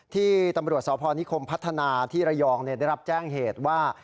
ที่ตำรวจสวภาวินิคมิ์พรรถท้านาที่รยองได้รับแจ้งเหตุว่า